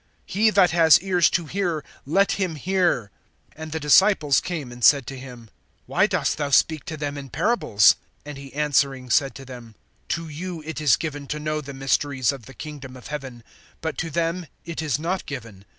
(9)He that has ears to hear, let him hear[13:9]. (10)And the disciples came and said to him: Why dost thou speak to them in parables? (11)And he answering said to them: To you it is given[13:11] to know the mysteries of the kingdom of heaven; but to them it is not given.